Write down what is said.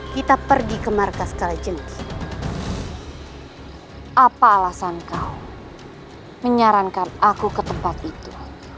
kita pergi ke markas kalejenis apa alasan kau menyarankan aku ke tempat itu